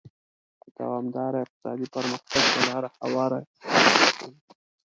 دوامداره اقتصادي پرمختګ ته لار هواره کړي.